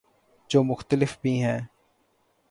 جو مختلف بھی ہیں